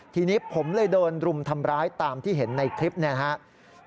ทีนี้ผมเลยโดนรุมทำร้ายตามที่เห็นในคลิปนี้นะครับ